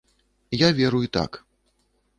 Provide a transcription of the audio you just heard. Я веру і так.